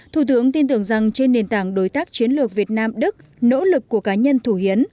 thủ tướng tin tưởng rằng trên nền tảng đối tác chiến lược việt nam đức nỗ lực của cá nhân thủ hiến